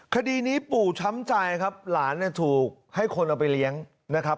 คดีนี้ปู่ช้ำใจครับหลานถูกให้คนเอาไปเลี้ยงนะครับ